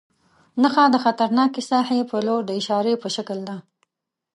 نښه د خطرناکې ساحې پر لور د اشارې په شکل ده.